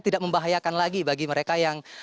tidak membahayakan lagi bagi mereka yang